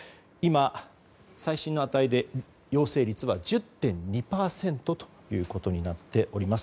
今、最新の値で陽性率は１０．２％となっております。